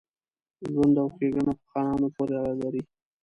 ژوند او ښېګڼه په خانانو پوري اړه لري.